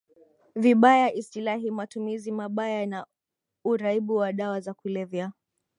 vibaya Istilahi matumizi mabaya na uraibu wa dawa za kulevya